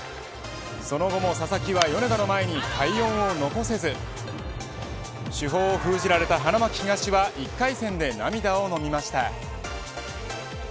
その後も佐々木は米田の前に快音を残せず主砲を封じられた花巻東は１回戦で涙を飲みました。